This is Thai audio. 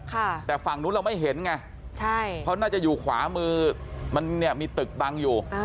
ค่ะแต่ฝั่งนู้นเราไม่เห็นไงใช่เพราะน่าจะอยู่ขวามือมันเนี่ยมีตึกบังอยู่อ่า